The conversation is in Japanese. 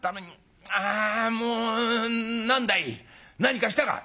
あもう何だい？何かしたか？」。